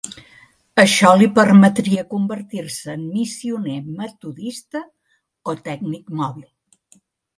Això li permetria convertir-se en missioner metodista o tècnic mòbil.